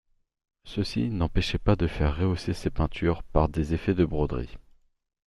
Ceci n'empêchait pas de faire rehausser ces peintures par des effets de broderie.